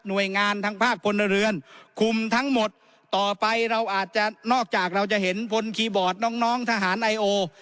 โดยงานทางภาคพลเรือนคุมทั้งหมดต่อไปเราอาจจะนอกจากเราจะเห็นพลคีย์บอร์ดน้องน้องทหารไอโอ